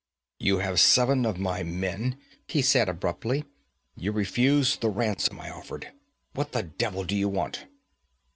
'You have seven of my men,' he said abruptly. 'You refused the ransom I offered. What the devil do you want?'